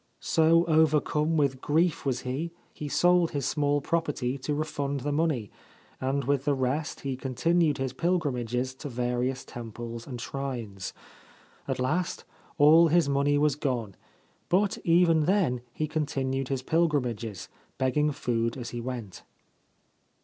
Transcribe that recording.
So overcome with grief was he, he sold his small property to refund the money, and with the rest he continued his pilgrimages to various temples and shrines. At last all his money was gone ; but even then he continued his pilgrimages, begging food as he went.